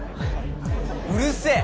うるせぇ